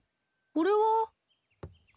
これは。